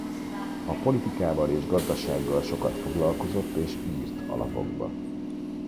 A politikával és gazdasággal sokat foglalkozott és írt a lapokba.